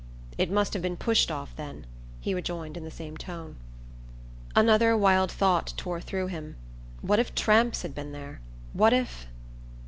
"It must have been pushed off, then," he rejoined in the same tone. Another wild thought tore through him. What if tramps had been there what if...